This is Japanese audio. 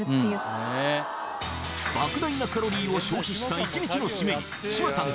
莫大なカロリーを消費した１日のしめに志麻さん